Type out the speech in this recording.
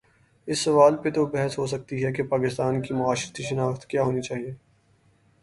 اس سوال پر تو بحث ہو سکتی ہے کہ پاکستان کی معاشرتی شناخت کیا ہو نی چاہیے۔